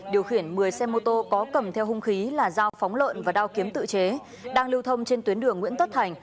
điều khiển một mươi xe mô tô có cầm theo hung khí là dao phóng lợn và đao kiếm tự chế đang lưu thông trên tuyến đường nguyễn tất thành